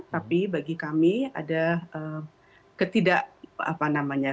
tapi bagi kami ada ketidak apa namanya